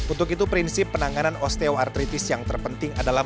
untuk itu prinsip penanganan osteoartritis yang terpenting adalah